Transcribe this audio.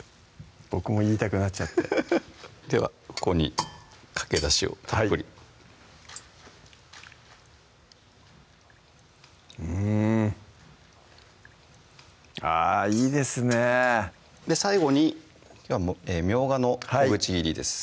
僕も言いたくなっちゃってハハハッではここにかけだしをたっぷりうんあぁいいですねぇ最後にみょうがの小口切りです